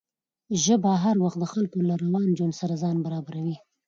ژبه هر وخت د خلکو له روان ژوند سره ځان برابروي.